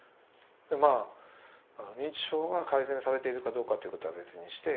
まあ認知症が改善されているかどうかということは別にして。